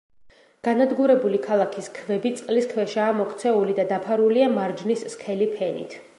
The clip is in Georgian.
განადგურებული ქალაქის ქვები წყლის ქვეშაა მოქცეული და დაფარულია მარჯნის სქელი ფენით.